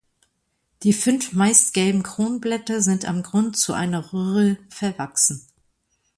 Die fünf meist gelben Kronblätter sind am Grund zu einer Röhre verwachsen.